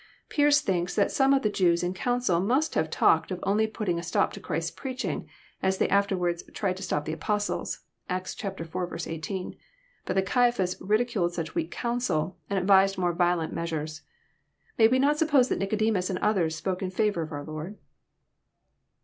Pearce thinks that some of the Jews in council must have talked of only putting a stop to Christ's preaching, as they after wards tried to stop the Apostles, (Acts iv. 18,) but that Oaiaplias ridiculed such weak counsel, and advised more violent measures. May we not suppose that Nicodemus and others spoke in &voar of our Lord?